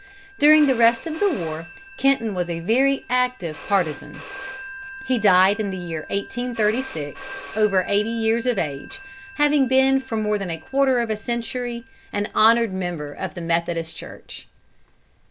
During the rest of the war, Kenton was a very active partisan. He died in the year 1836, over eighty years of age, having been for more than a quarter of a century an honored member of the Methodist Church.